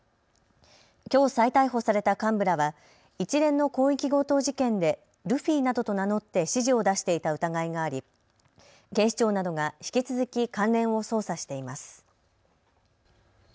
きょう再逮捕された幹部らは一連の広域強盗事件でルフィなどと名乗って指示を出していた疑いがあり警視庁などが引き続き関連を捜査しています。